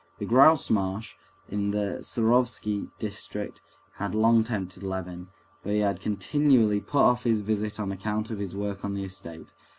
The grouse marsh, in the Surovsky district, had long tempted Levin, but he had continually put off this visit on account of his work on the estate.